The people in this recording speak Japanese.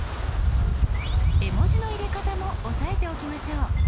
絵文字の入れ方も押さえておきましょう。